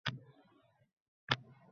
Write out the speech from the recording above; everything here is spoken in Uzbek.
Uni ifoda etmoqchi bo‘lganman.